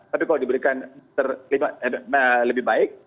tapi kalau diberikan lebih baik